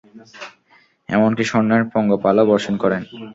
এমনকি স্বর্ণের পঙ্গপালও বর্ষণ করেন।